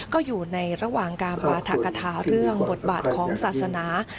ก็อยู่ในระหว่างการปราธกฐาเรื่องบทบาทของศาสนา